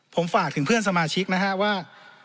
ผมฝากถึงเพื่อนสมาชิกนะฮะว่า